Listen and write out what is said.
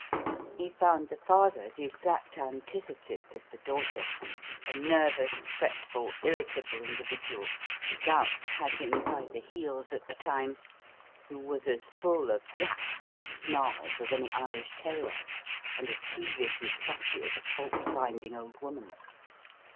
He found the father the exact antithesis of the daughter, a nervous, fretful, irritable individual (gout had him by the heels at the time), who was as full of "yaps" and snarls as any Irish terrier, and as peevish and fussy as a fault finding old woman.